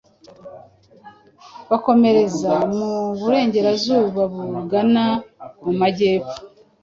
bakomereza mu Burengerazuba bagana mu Majyepfo,